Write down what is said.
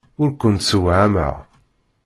Ur kent-ssewhameɣ.